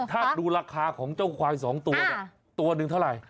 ถ้าดูราคาของเจ้าควายสองตัวตัวหนึ่งเท่าไร